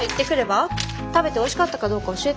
食べておいしかったかどうか教えてよ。